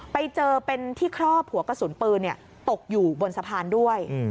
ไปเจอเป็นที่ครอบหัวกระสุนปืนตกอยู่บนสะพานด้วย